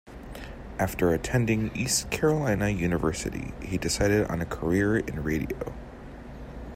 After attending East Carolina University, he decided on a career in radio.